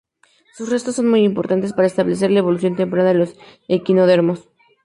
Sus restos son muy importantes para establecer la evolución temprana de los equinodermos.